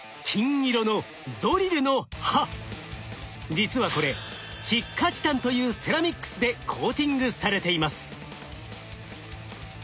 実はこれ窒化チタンというセラミックスでコーティングされています。